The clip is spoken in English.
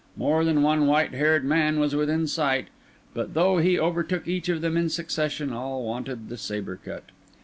More than one white haired man was within sight; but though he overtook each of them in succession, all wanted the sabre cut.